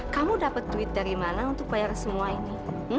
kamu dapat duit dari mana untuk bayar semua ini